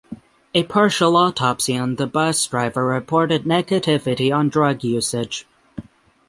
A partial autopsy on the bus driver reported negativity on drug usage.